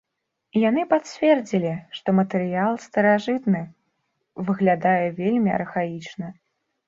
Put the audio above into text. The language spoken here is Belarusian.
Яны пацвердзілі, што матэрыял старажытны, выглядае вельмі архаічна.